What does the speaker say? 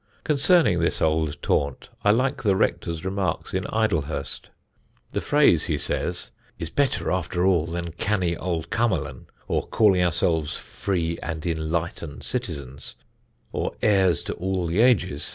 Concerning this old taunt, I like the rector's remarks in Idlehurst. The phrase, he says, "is better after all than 'canny owd Cummerlan'' or calling ourselves 'free and enlightened citizens' or 'heirs to all the ages.'